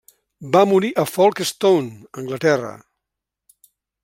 Va morir a Folkestone, Anglaterra.